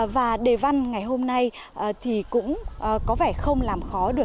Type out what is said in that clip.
và đề văn ngày hôm nay thì cũng có vẻ không làm khó được